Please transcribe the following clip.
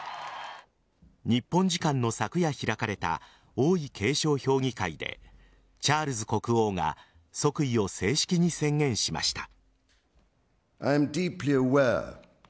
日本時間の昨夜開かれた王位継承評議会でチャールズ国王が即位を正式に宣言しました。